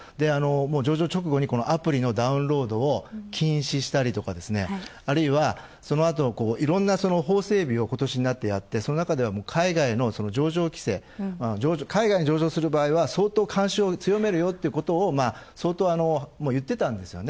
上場直後にアプリのダウンロードを禁止したりとか、あるいは、そのあと、いろんな法整備をことしになってやって、その中では海外の上場規制、海外に上場する場合は相当、監視を強めるよってことを相当、言ってたんですよね。